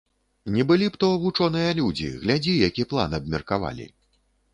Не былі б то вучоныя людзі, глядзі, які план абмеркавалі.